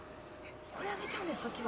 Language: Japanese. これあげちゃうんですか？